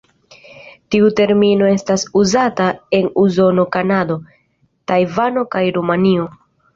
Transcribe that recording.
Tiu termino estas uzata en Usono, Kanado, Tajvano kaj Rumanio.